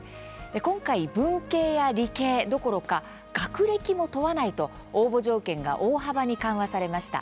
今回、文系や理系どころか学歴も問わないと応募条件が大幅に緩和されました。